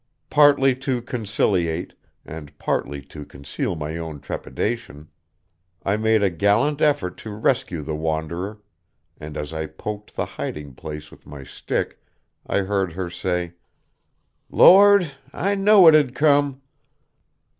Partly to conciliate, and partly to conceal my own trepidation, I made a gallant effort to rescue the wanderer, and as I poked the hiding place with my stick, I heard her say: "Lord, I know'd it'd come!"